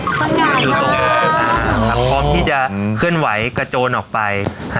ทำใหญ่ทำใหญ่ฮะอ๋ออับครองที่จะอืมขึ้นไหวกระโจนออกไปฮะ